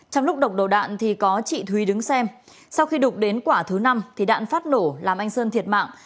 trong lúc độc đầu đạn thì có chị thúy đứng xem sau khi đục đến quả thứ năm thì đạn phát nổ làm anh sơn thiệt mạng